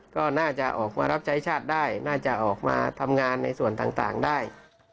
ก็น่าจะออกมารับใช้ชาติได้น่าจะออกมาทำงานในส่วนต่างได้